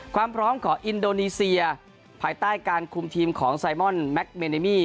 ความพร้อมของอินโดนีเซียภายใต้การคุมทีมของไซมอนแมคเมเนมี่